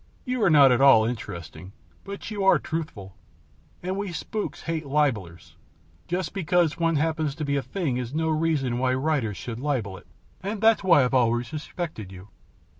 You are not at all interesting, but you are truthful, and we spooks hate libellers. Just because one happens to be a thing is no reason why writers should libel it, and that's why I have always respected you.